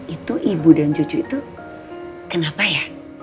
itu ibu dan cucu itu kenapa ya